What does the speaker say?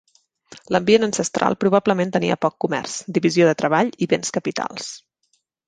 L"ambient ancestral probablement tenia poc comerç, divisió del treball i béns capitals.